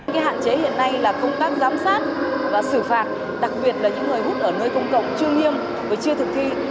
cái hạn chế hiện nay là công tác giám sát và xử phạt đặc biệt là những người hút ở nơi công cộng chưa nghiêm và chưa thực thi